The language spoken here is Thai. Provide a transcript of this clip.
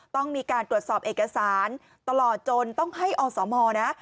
ต้องมีการตรวจสอบเอกสารตลอดจนต้องให้อสมนะ